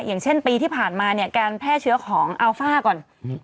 อย่างเช่นปีที่ผ่านมาเนี่ยการแพร่เชื้อของอัลฟ่าก่อนอืม